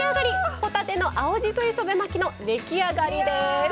帆立ての青じそ磯辺巻きの出来上がりです。